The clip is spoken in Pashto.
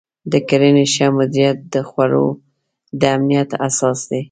د کرنې ښه مدیریت د خوړو د امنیت اساس دی.